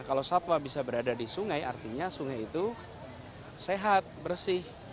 kalau satwa bisa berada di sungai artinya sungai itu sehat bersih